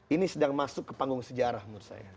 ini sedang masuk ke panggung sejarah menurut saya